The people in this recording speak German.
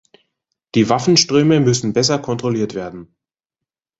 Die Waffenströme müssen besser kontrolliert werden.